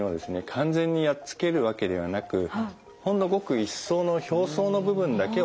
完全にやっつけるわけではなくほんのごく一層の表層の部分だけを殺しているんですね。